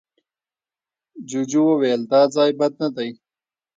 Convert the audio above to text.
جوجو وويل، دا ځای بد نه دی.